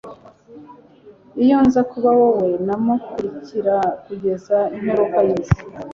iyo nza kuba wowe, namukurikira kugeza imperuka yisi